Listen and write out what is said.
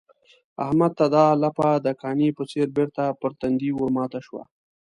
احمد ته دا لاپه د کاني په څېر بېرته پر تندي ورماته شوه.